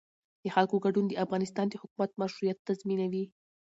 د خلکو ګډون د افغانستان د حکومت مشروعیت تضمینوي